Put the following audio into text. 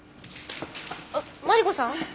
あっマリコさん？